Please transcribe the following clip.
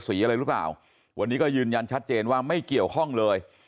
อะไรหรือเปล่าวันนี้ก็ยืนยันชัดเจนว่าไม่เกี่ยวข้องเลย